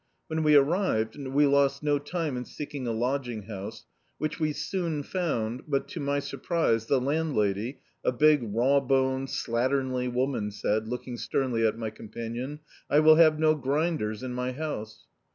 When we arrived, we lost no time in seeking a lodging house, which we sowi found, but, to my sur prise, the landlady, a big raw txHied, slatternly woman said, looking sternly at my companion: "I will have no grinders in my house."